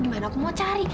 gimana aku mau cari